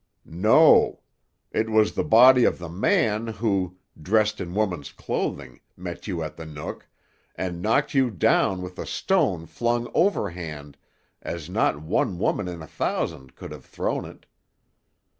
"No. It was the body of the man who, dressed in woman's clothing, met you at the Nook, and knocked you down with a stone flung overhand as not one woman in a thousand could have thrown it.